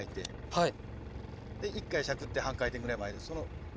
はい。